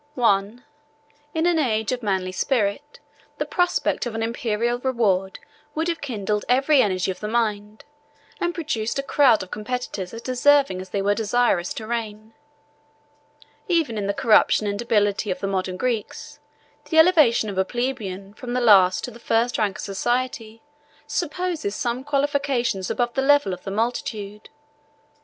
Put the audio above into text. —I. In an age of manly spirit, the prospect of an Imperial reward would have kindled every energy of the mind, and produced a crowd of competitors as deserving as they were desirous to reign. Even in the corruption and debility of the modern Greeks, the elevation of a plebeian from the last to the first rank of society, supposes some qualifications above the level of the multitude.